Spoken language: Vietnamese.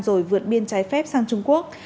rồi vượt biên trái phép sang trung quốc